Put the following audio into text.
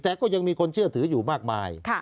แต่ก็ยังมีคนเชื่อถืออยู่มากมาย